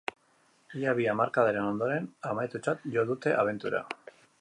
Ia bi hamarkadaren ondoren amaitutzat jo dute abentura.